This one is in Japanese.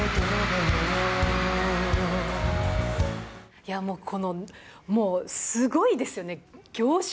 いやもう、この、もうすごいですよね。